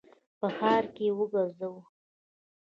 په ښار کي یې وګرځوه !